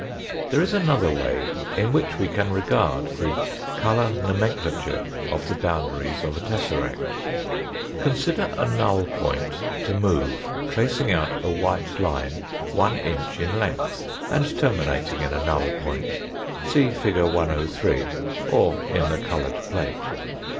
There is another way in which we can regard the colour nomenclature of the boundaries of a tesseract. Consider a null point to move tracing out a white line one inch in length, and terminating in a null point, see fig. 103 or in the coloured plate.